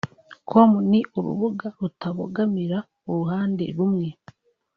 com ni urubuga rutabogamira uruhande rumwe